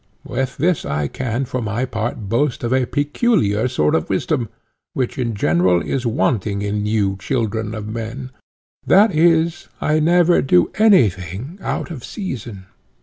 With this I can, for my part, boast of a peculiar sort of wisdom, which in general is wanting to you children of men; that is, I never do any thing out of season.